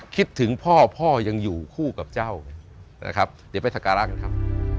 คิดถึงพ่อพ่อยังอยู่คู่กับเจ้านะครับเดี๋ยวไปสการะกันครับ